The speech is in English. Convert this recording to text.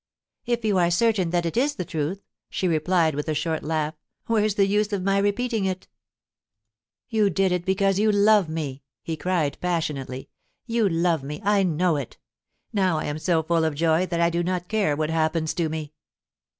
* If you are certain that it is the truth,' she replied, with a short laugh, * where's the use of my repeating it ?You did it because you love me !' he cried passionately. * You love me — I know it Now I am so full of joy that I do not care what happens to me.'